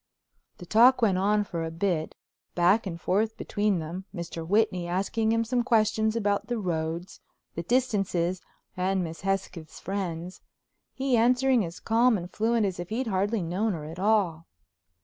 The talk went on for a bit, back and forth between them, Mr. Whitney asking him some questions about the roads, the distances, and Miss Hesketh's friends; he answering as calm and fluent as if he'd hardly known her at all.